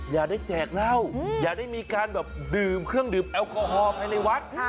อย่าได้แจกเหล้าอย่าได้มีการแบบดื่มเครื่องดื่มแอลกอฮอล์ภายในวัด